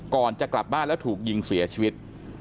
ก่อนจะกลับบ้านแล้วถูกยิงเสียชีวิต